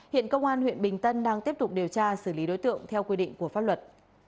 hiện công an huyện bình tân đang tiếp tục điều tra xử lý đối tượng theo quy định của pháp luật